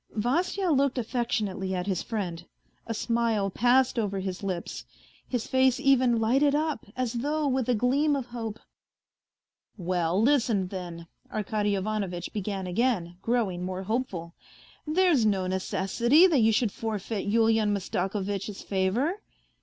Vasya looked affectionately at his friend. A smile passed over his lips. His face even lighted up, as though with a gleam of hope. " Well, listen, then," Arkady Ivanovitch began again, growing more hopeful, " there's no necessity that you should forfeit Yulian Mastakovitch 's favour.